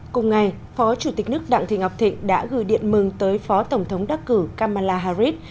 cùng ngày phó chủ tịch nước đặng thị ngọc thịnh đã gửi điện mừng tới phó tổng thống đắc cử kamala harris